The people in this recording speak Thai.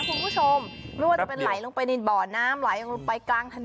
ไม่ว่าจะไหลลงไปในบ่อน้ำไหลลงลงไปกลางถนน